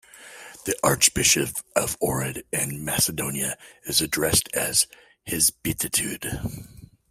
The Archbishop of Ohrid and Macedonia is addressed as "His Beatitude".